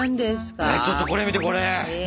ちょっとこれ見てこれ。